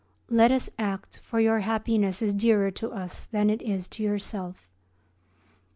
Let us act, for your happiness is dearer to us than it is to yourself.